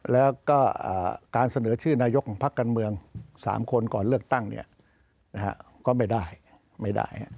แล้วก็การเสนอชื่อนายกของพักการเมือง๓คนก่อนเลือกตั้งก็ไม่ได้ไม่ได้